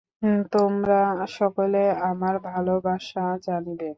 তোমরা সকলে আমার ভালবাসা জানিবে।